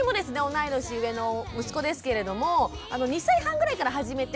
同い年上の息子ですけれども２歳半ぐらいから始めて。